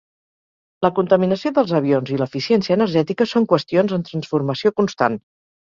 La contaminació dels avions i l’eficiència energètica són qüestions en transformació constant.